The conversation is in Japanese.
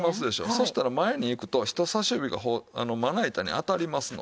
そしたら前にいくと人さし指がまな板に当たりますので。